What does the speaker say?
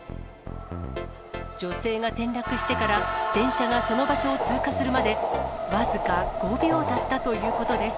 女性が転落してから電車がその場所を通過するまで僅か５秒だったということです。